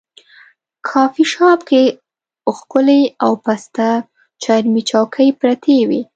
کافي شاپ کې ښکلې او پسته چرمي چوکۍ پرتې وې.